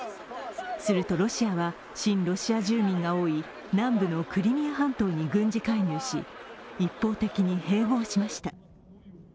するとロシアは親ロシア住民が多い南部のクリミア半島に軍事介入し、一方的に併合しました。